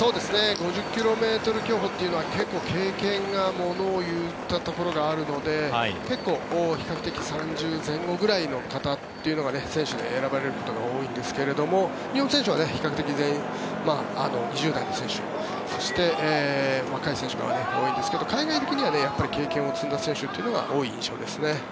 ５０ｋｍ競歩というのは結構経験がものを言ったところがあるので結構、比較的３０歳前後ぐらいの方が選手に選ばれることが多いんですが日本選手は比較的２０代の選手そして、若い選手が多いんですが海外的には経験を積んだ選手というのが多い印象ですね。